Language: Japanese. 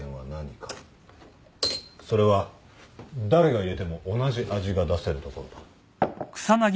それは誰が入れても同じ味が出せるところだ。